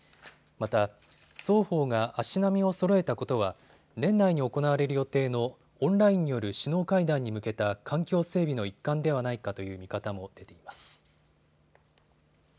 また双方が足並みをそろえたことは年内に行われる予定のオンラインによる首脳会談に向けた環境整備の一環ではないかという見方も出ています。